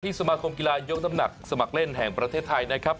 สมาคมกีฬายกน้ำหนักสมัครเล่นแห่งประเทศไทยนะครับ